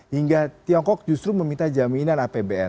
hingga tiongkok justru meminta jaminan apbn